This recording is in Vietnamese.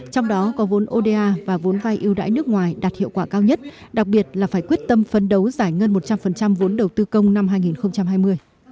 trong đó có vốn oda và vốn vai ưu đãi nước ngoài đạt hiệu quả cao nhất đặc biệt là phải quyết tâm phấn đấu giải ngân một trăm linh vốn đầu tư công năm hai nghìn hai mươi